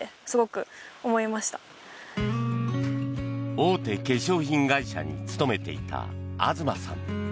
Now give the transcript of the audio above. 大手化粧品会社に勤めていた東さん。